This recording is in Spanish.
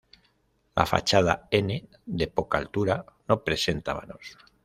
La fachada N, de poca altura, no presenta vanos.